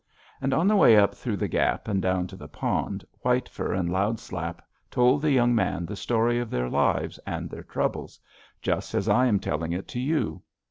And on the way up through the gap and down to the pond, White Fur and Loud Slap told the young man the story of their lives and their troubles, just as I am telling it to you.